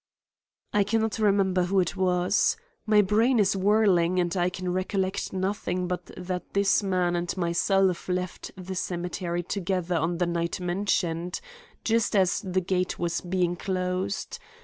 "I can not remember who it was. My brain is whirling, and I can recollect nothing but that this man and myself left the cemetery together on the night mentioned, just as the gate was being closed.